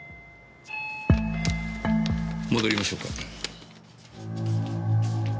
戻りましょうか。